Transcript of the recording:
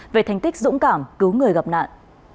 về thành tích dũng cảm cứu người gặp nạn